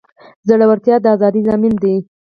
زړورتیا د ازادۍ ضامن دی.